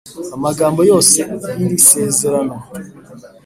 amagambo yose y iri sezerano